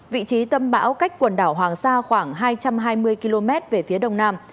vị trí tâm bão cách quần đảo hoàng sa khoảng hai trăm hai mươi km về phía đông nam